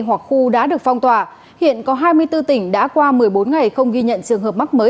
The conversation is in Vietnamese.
hoặc khu đã được phong tỏa hiện có hai mươi bốn tỉnh đã qua một mươi bốn ngày không ghi nhận trường hợp mắc mới